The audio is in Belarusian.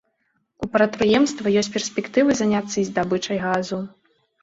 У прадпрыемства ёсць перспектывы заняцца і здабычай газу.